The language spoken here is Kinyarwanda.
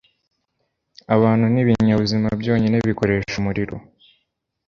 abantu nibinyabuzima byonyine bikoresha umuriro